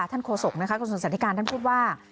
ท่านโคสกคุณสมัยสัตยการท่านพูดว่า